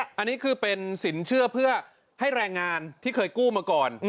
อันนี้คือเป็นสินเชื่อเพื่อให้แรงงานที่เคยกู้มาก่อน